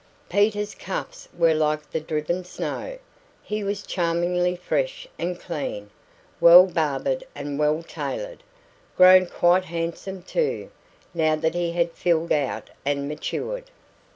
Peter's cuffs were like the driven snow; he was charmingly fresh and clean, well barbered and well tailored; grown quite handsome, too, now that he had filled out and matured.